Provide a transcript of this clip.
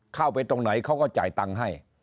เข้าไปตรงไหนเขาก็จ่ายตังค์ให้